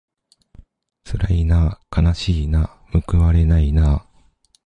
つらいなあかなしいなあむくわれないなあ